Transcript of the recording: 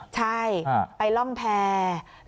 ใช่ไปล่องแพร่